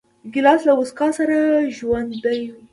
ګیلاس له موسکا سره ژوندی وي.